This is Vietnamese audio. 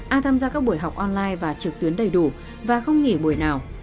a tham gia các buổi học online và trực tuyến đầy đủ và không nghỉ buổi nào